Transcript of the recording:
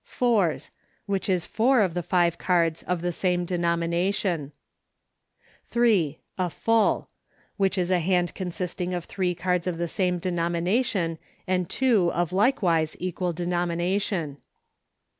Fours — Which is four of the five cards of the same denomination. 3. A Full — Which is a hand consisting of RULES FOE PLAYING DRAW POKER. 143 three cards of the same denomination and two of likewise equal denomination.